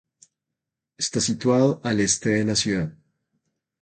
Está situado al este de la ciudad.